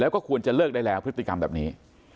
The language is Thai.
แล้วก็ควรจะเลิกได้แล้วพฤติกรรมแบบนี้